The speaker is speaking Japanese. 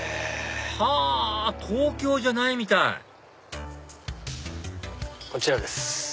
はぁ東京じゃないみたいこちらです。